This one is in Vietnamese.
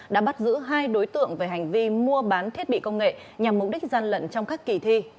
đã bắt giữ hai đối tượng về hành vi mua bán thiết bị công nghệ nhằm mục đích gian lận trong các kỳ thi